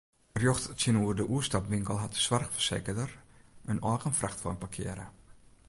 Rjocht tsjinoer de oerstapwinkel hat de soarchfersekerder in eigen frachtwein parkearre.